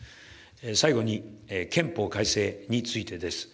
最後に憲法改正についてです。